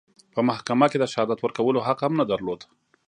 په محکمه کې د شهادت ورکولو حق هم نه درلود.